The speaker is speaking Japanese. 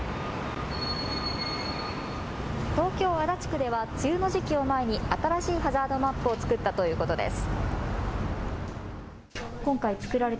東京足立区では梅雨の時期を前に新しいハザードマップを作ったということです。